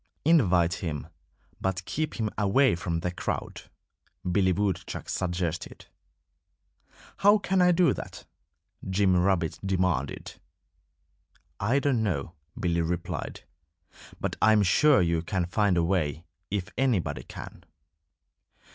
"Invite him; but keep him away from the crowd!" Billy Woodchuck suggested. "How can I do that?" Jimmy Rabbit demanded. "I don't know," Billy replied. "But I am sure you can find a way, if anybody can."